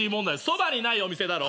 そばにないお店だろ？